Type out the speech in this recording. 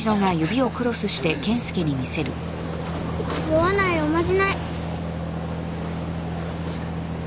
酔わないおまじない。